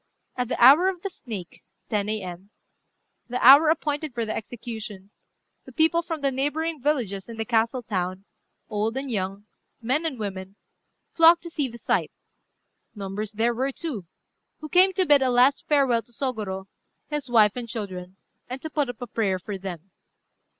At the hour of the snake (10 A.M.), the hour appointed for the execution, the people from the neighbouring villages and the castle town, old and young, men and women, flocked to see the sight: numbers there were, too, who came to bid a last farewell to Sôgorô, his wife and children, and to put up a prayer for them.